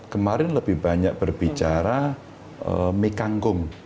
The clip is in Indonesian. kemarin lebih banyak berbicara mekanggum